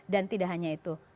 dan tidak hanya itu